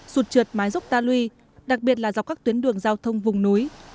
sụt trượt mái dốc ta lui đặc biệt là dọc các tuyến đường giao thông vùng núi